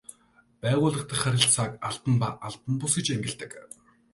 Байгууллага дахь харилцааг албан ба албан бус гэж ангилдаг.